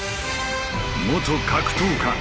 元格闘家。